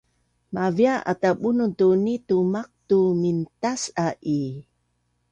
Mavia ata Bunun tu nitu maqtu mintas’a i?